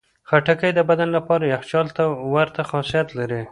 خټکی د بدن لپاره یخچال ته ورته خاصیت لري.